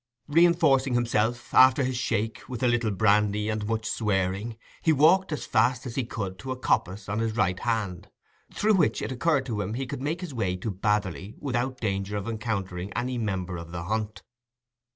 Reinforcing himself, after his shake, with a little brandy and much swearing, he walked as fast as he could to a coppice on his right hand, through which it occurred to him that he could make his way to Batherley without danger of encountering any member of the hunt.